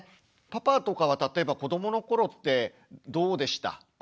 パパとかは例えば子どもの頃ってどうでした？